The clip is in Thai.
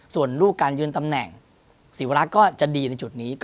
ส่วนลูกการยืนตำแหน่งศิวรักษ์ก็จะดีในจุดนี้